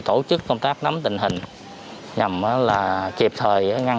thành alguma việc liên quan đến hà nội tìm hiểu này